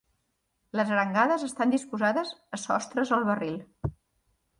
Les arengades estan disposades a sostres al barril.